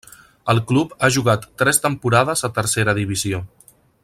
El club ha jugat tres temporades a Tercera Divisió.